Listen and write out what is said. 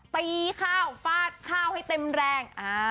ตีข้าวฟาดข้าวให้เต็มแรง